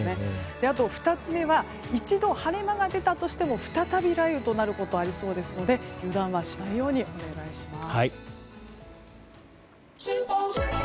あと、２つ目は一度晴れ間が出たとしても再び雷雨となることがありそうですので油断はしないようにお願いします。